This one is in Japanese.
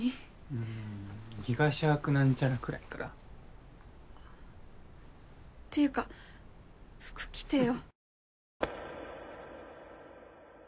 うん「ギガ・シャーク」何ちゃらくらいからっていうか服着てよ